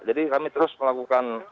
jadi kami terus melakukan